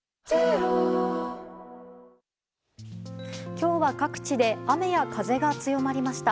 今日は各地で雨や風が強まりました。